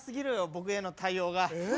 僕への対応が。え？